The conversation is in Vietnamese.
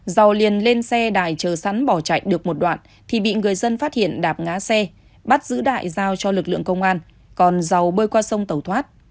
giàu liền lên xe đại chờ sẵn bỏ chạy được một đoạn thì bị người dân phát hiện đạp ngá xe bắt giữ đại giao cho lực lượng công an còn giàu bơi qua sông tẩu thoát